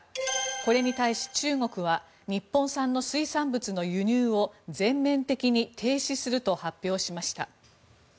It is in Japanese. これに対し中国は日本産の水産物の輸入を全面的に停止すると発表しました。